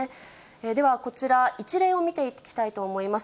では、こちら一例を見ていきたいと思います。